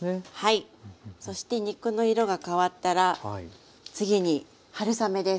そして肉の色が変わったら次に春雨です。